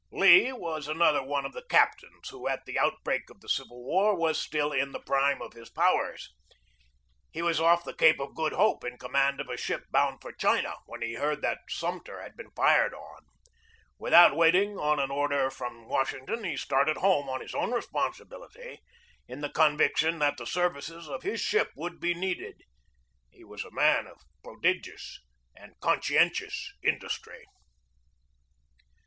Lee was another one of the captains who, at the outbreak of the Civil War, was still in the prime of his powers. He was off the Cape of Good Hope in command of a ship bound for China when he heard that Sumter had been fired on. Without waiting on an order from Wash ington, he started home on his own responsibility, in the conviction that the services of his ship would be needed. He was a man of prodigious and conscien tious industry.